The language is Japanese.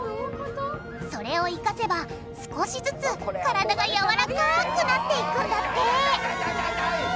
それを生かせば少しずつからだがやわらかくなっていくんだって痛い痛い痛い痛い！